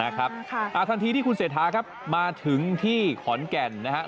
ทันทีที่คุณเศรษฐาครับมาถึงที่ขอนแก่นนะครับ